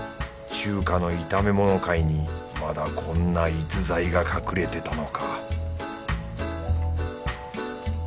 中華の炒め物界にまだこんな逸材が隠れてたのか